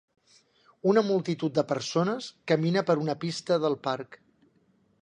Una multitud de persones camina per una pista del parc